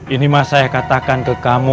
ini mas saya katakan ke kamu